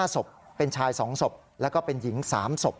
๕ศพเป็นชาย๒ศพแล้วก็เป็นหญิง๓ศพ